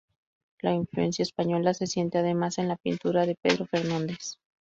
La influencia española se siente además en la pintura de Pedro Fernández.